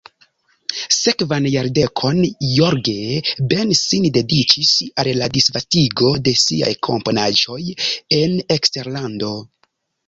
Sekvan jardekon Jorge Ben sin dediĉis al la disvastigo de siaj komponaĵoj en eksterlando.